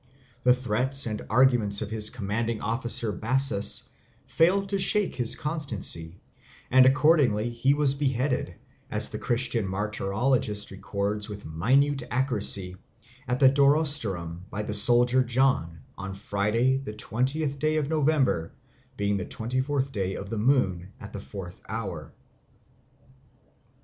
The threats and arguments of his commanding officer Bassus failed to shake his constancy, and accordingly he was beheaded, as the Christian martyrologist records with minute accuracy, at Durostorum by the soldier John on Friday the twentieth day of November, being the twenty fourth day of the moon, at the fourth hour.